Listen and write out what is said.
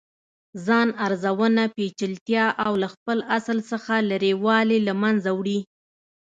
ځان ارزونه پیچلتیا او له خپل اصل څخه لرې والې له منځه وړي.